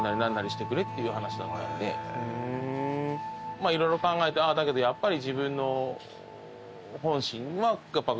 まあ色々考えてだけどやっぱり。